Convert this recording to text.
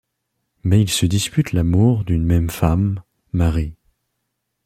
Mais ils se disputent l'amour d'une même femme, Mary.